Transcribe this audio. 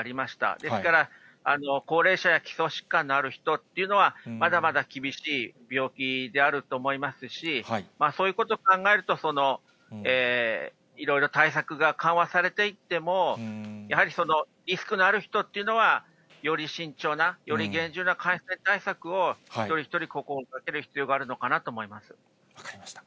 ですから、高齢者や基礎疾患のある人っていうのは、まだまだ厳しい病気であると思いますし、そういうことを考えると、いろいろ対策が緩和されていっても、やはりそのリスクのある人っていうのは、より慎重な、より厳重な感染対策を一人一人心がける必要があるのかなと思いま分かりました。